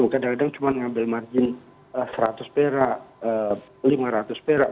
kadang kadang cuma ambil margin rp seratus perak rp lima ratus perak